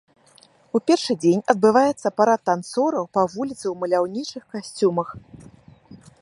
У першы дзень адбываецца парад танцораў па вуліцы ў маляўнічых касцюмах.